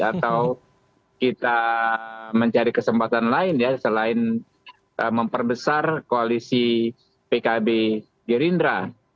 atau kita mencari kesempatan lain ya selain memperbesar koalisi pkb gerindra